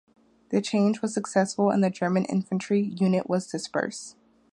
The charge was successful and the German infantry unit was dispersed.